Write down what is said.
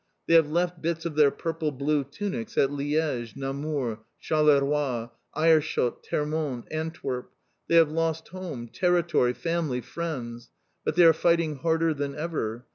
They have left bits of their purple blue tunics at Liège, Namur, Charleroi, Aerschot, Termonde, Antwerp. They have lost home, territory, family, friends. But they are fighting harder than ever.